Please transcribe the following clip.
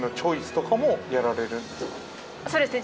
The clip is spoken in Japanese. そうですね。